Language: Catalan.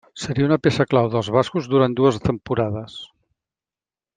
Seria una peça clau dels bascos durant dues temporades.